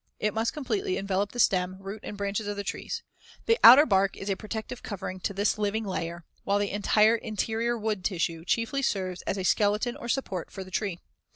It must completely envelop the stem, root and branches of the trees. The outer bark is a protective covering to this living layer, while the entire interior wood tissue chiefly serves as a skeleton or support for the tree.